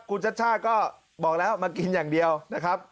คุณชัชชาติก็บอกแล้วมากินอย่างเดียวนะครับ